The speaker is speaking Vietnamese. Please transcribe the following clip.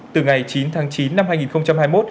từ ngày chín tháng chín năm hai nghìn hai mươi một